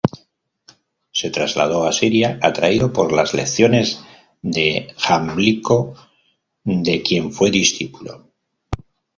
Se trasladó a Siria, atraído por las lecciones de Jámblico, de quien fue discípulo.